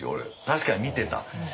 確かに見てた。